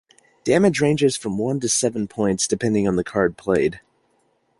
Damage ranges from one to seven points depending on the card played.